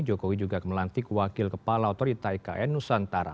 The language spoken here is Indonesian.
jokowi juga melantik wakil kepala otorita ikn nusantara